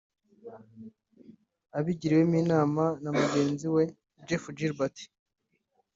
Abigiriwemo inama na mugenzi we Jeff Gilbert